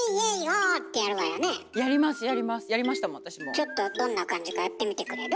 ちょっとどんな感じかやってみてくれる？